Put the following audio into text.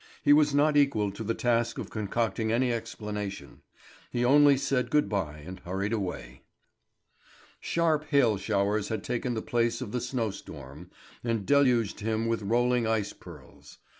He was not equal to the task of concocting any explanation; he only said good bye and hurried away. Sharp hail showers had taken the place of the snow storm, and deluged him with rolling ice pearls.